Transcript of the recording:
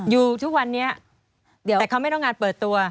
อยู่ทุกวันนี้แต่เขาไม่ต้องงานเปิดตัว